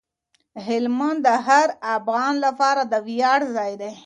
هلمند د هر افغان لپاره د ویاړ ځای دی.